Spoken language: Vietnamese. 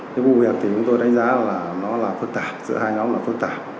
cái vụ việc thì chúng tôi đánh giá là nó là phân tạp giữa hai nhóm là phân tạp